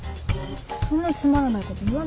そんなつまらないこと言わないでよ。